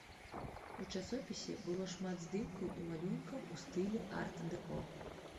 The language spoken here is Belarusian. У часопісе было шмат здымкаў і малюнкаў у стылі арт-дэко.